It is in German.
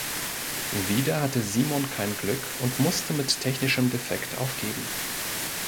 Wieder hatte Simon kein Glück und musste mit technischem Defekt aufgeben.